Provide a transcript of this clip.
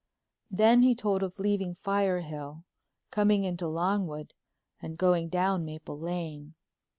Then he told of leaving Firehill, coming into Longwood, and going down Maple Lane.